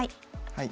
はい。